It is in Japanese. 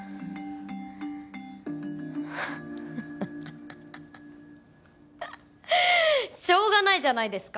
ハハハハハしょうがないじゃないですか